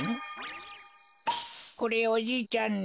これおじいちゃんに。